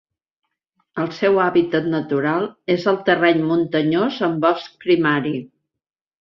El seu hàbitat natural és el terreny muntanyós amb bosc primari.